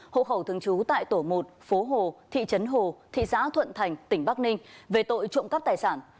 hộ khẩu thường trú tại tổ một phố hồ thị trấn hồ thị xã thuận thành tỉnh bắc ninh về tội trộm cắp tài sản